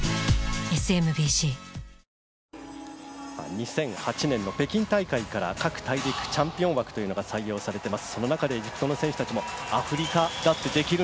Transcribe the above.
２００８年の北京大会から各大陸チャンピオン枠というのが採用されています。